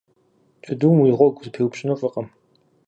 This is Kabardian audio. Джэдум уи гъуэгу зэпиупщӏыну фӏыкъым.